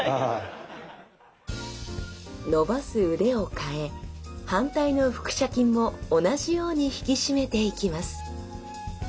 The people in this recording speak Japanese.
伸ばす腕を変え反対の腹斜筋も同じように引き締めていきます